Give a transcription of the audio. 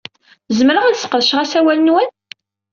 Zemreɣ ad sqedceɣ asawal-nwen?